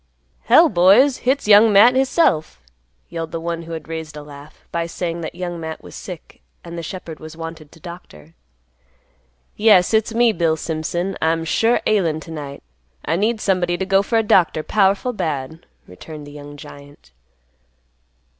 "Hell, boys! Hit's Young Matt hisself!" yelled the one who had raised a laugh, by saying that Young Matt was sick and the shepherd was wanted to doctor. "Yes! It's me, Bill Simpson. I'm sure ailin' to night. I need somebody to go for a doctor powerful bad," returned the young giant.